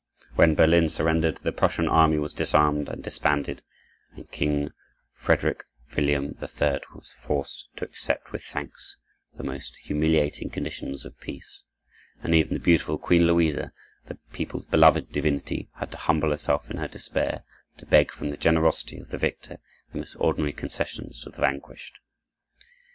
When Berlin surrendered, the Prussian army was disarmed and disbanded, and the King, Frederick William III, was forced to accept with thanks the most humiliating conditions of peace; and even the beautiful Queen Louisa, the people's beloved divinity, had to humble herself in her despair to beg from the generosity of the victor the most ordinary concessions to the vanquished.